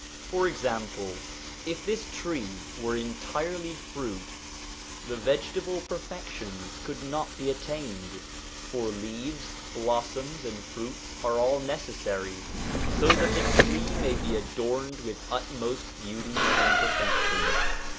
For example, if this tree were entirely fruit, the 148 SOME CHRISTIAN SUBJECTS 149 vegetable perfections could not be attained ; for leaves, blossoms, and fruits are all necessary, so that the tree may be adorned with utmost beauty and perfection.